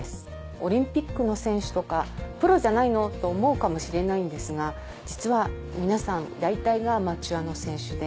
オリンピックの選手とかプロじゃないの？と思うかもしれないんですが実は皆さん大体がアマチュアの選手で。